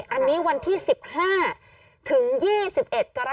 กล้องกว้างอย่างเดียว